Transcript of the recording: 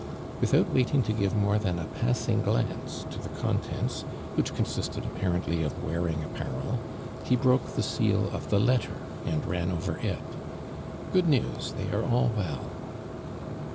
Without waiting to give more than a passing glance to the contents, which consisted Apparently of wearing apparel, he broke the seal of the over it. "Good news! letter and ran They are all well."